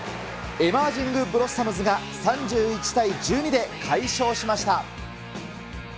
エマージングブロッサムズが、３１対１２で快勝しました。